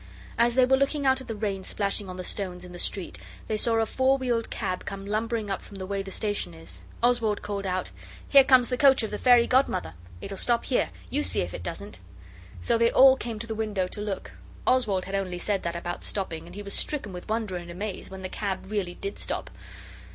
As they were looking out at the rain splashing on the stones in the street they saw a four wheeled cab come lumbering up from the way the station is. Oswald called out 'Here comes the coach of the Fairy Godmother. It'll stop here, you see if it doesn't!' So they all came to the window to look. Oswald had only said that about stopping and he was stricken with wonder and amaze when the cab really did stop.